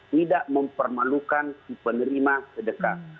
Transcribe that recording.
tidak mempermalukan si penerima sedekah